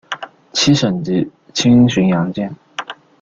七省级轻巡洋舰。